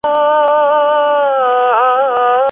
د نارينه وو رول په لاسي صنايعو کي څه و؟